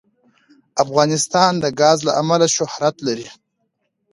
افغانستان د ګاز له امله شهرت لري.